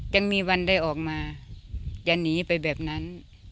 ยังมีวันได้ออกมาจะหนีไปแบบนั้น